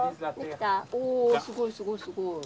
おすごいすごいすごい。